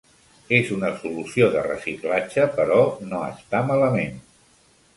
És una solució de reciclatge, però no està malament.